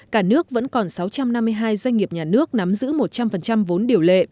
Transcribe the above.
cả nước vẫn còn sáu trăm năm mươi hai doanh nghiệp nhà nước nắm giữ một trăm linh vốn điều lệ